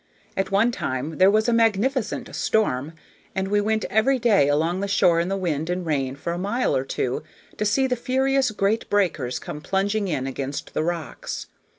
At one time there was a magnificent storm, and we went every day along the shore in the wind and rain for a mile or two to see the furious great breakers come plunging in against the rocks.